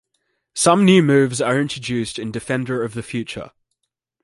Some new moves are introduced in Defender of the Future.